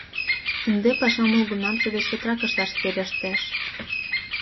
Ынде пашам молгунамсе деч чотрак ышташ верештеш.